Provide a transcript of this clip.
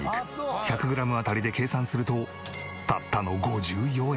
１００グラム当たりで計算するとたったの５４円。